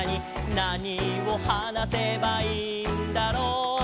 「なにをはなせばいいんだろう？」